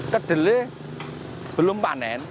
kedelai belum panen